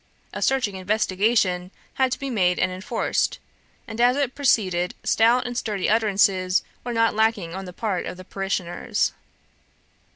A searching investigation had to be made and enforced, and as it proceeded stout and sturdy utterances were not lacking on the part of the parishioners.